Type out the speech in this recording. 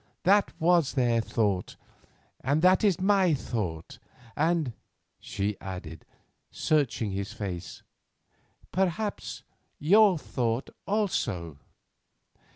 "That was their thought, and that is my thought; and," she added, searching his face, "perhaps your thought also."